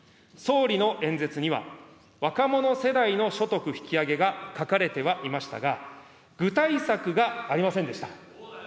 総理の演説には、若者世代の所得引き上げが書かれてはいましたが、具体策がありませんでした。